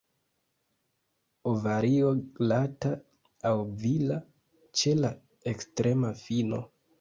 Ovario glata aŭ vila ĉe la ekstrema fino.